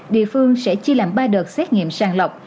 địa phương sẽ chia làm ba đợt xét nghiệm sàng lọc